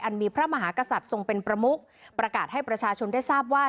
มีพระมหากษัตริย์ทรงเป็นประมุกประกาศให้ประชาชนได้ทราบว่า